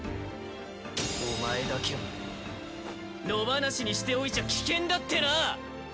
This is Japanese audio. お前だけは野放しにしておいちゃ危険だってな！